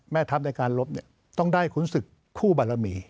แม่ทัพในการลบต้องได้ขุนศึกคู่บารมี